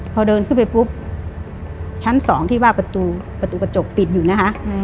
พอเดินขึ้นไปปุ๊บชั้น๒ที่ว่าประตูกระจกปิดอยู่นะคะ